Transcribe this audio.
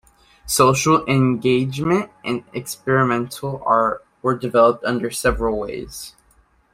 Social engagement and experimental art were developed under several ways.